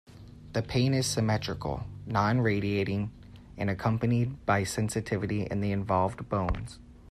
The pain is symmetrical, non-radiating and accompanied by sensitivity in the involved bones.